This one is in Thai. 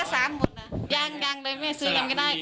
อะไรก็๓หมดนะยังเลยไม่ซื้อยังไม่ได้